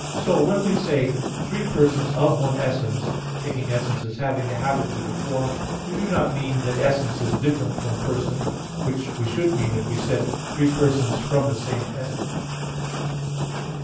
So, when we say, "three persons of one essence," taking essence as having the habitude of form, we do not mean that essence is different from person, which we should mean if we said, "three persons from the same essence."